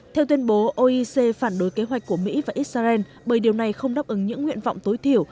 theo tuyên bố oec phản đối kế hoạch của mỹ và israel bởi điều này không đáp ứng những nguyện vọng tối thiểu